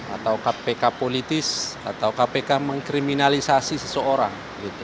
atau kpk politis atau kpk mengkriminalisasi seseorang